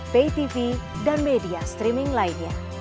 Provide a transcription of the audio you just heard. pay tv dan media streaming lainnya